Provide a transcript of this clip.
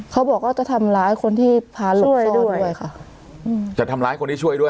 เขาบอกว่าจะทำร้ายคนที่พาหลบซ่อนด้วยค่ะอืมจะทำร้ายคนที่ช่วยด้วย